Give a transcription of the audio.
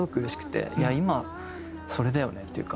今それだよねっていうか。